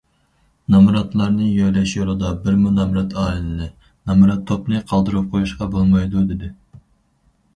نامراتلارنى يۆلەش يولىدا بىرمۇ نامرات ئائىلىنى، نامرات توپنى قالدۇرۇپ قويۇشقا بولمايدۇ، دېدى.